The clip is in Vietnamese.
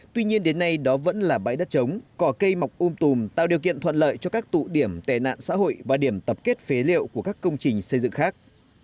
tuy nhiên đến nay đó vẫn là bãi đất trống cỏ cây mọc um tùm tạo điều kiện thuận lợi cho các tụ điểm tệ nạn xã hội và điểm tập kết phế liệu của các công trình xây dựng khác